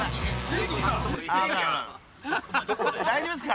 大丈夫ですか？